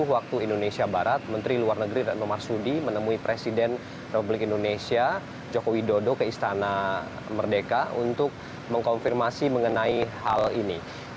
waktu indonesia barat menteri luar negeri retno marsudi menemui presiden republik indonesia joko widodo ke istana merdeka untuk mengkonfirmasi mengenai hal ini